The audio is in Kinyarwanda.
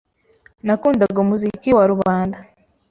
Nakundaga umuziki wa rubanda.